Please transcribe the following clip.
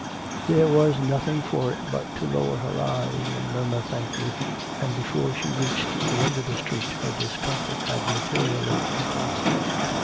There was nothing for it but to lower her eyes and murmur 'thank you,' and before she reached the end of the street her discomfort had materially increased.